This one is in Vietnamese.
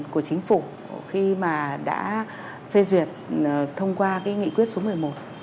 khi mà đã phê duyệt thông qua nghị quyết số một mươi một